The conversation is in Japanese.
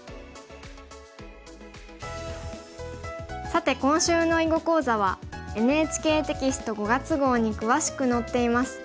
さて今週の囲碁講座はＮＨＫテキスト５月号に詳しく載っています。